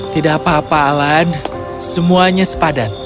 tidak apa apa alan semuanya sepadan